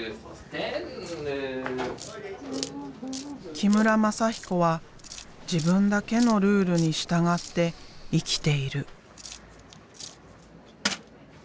木村全彦は自分だけのルールに従って生きている。